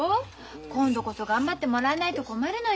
今度こそ頑張ってもらわないと困るのよ。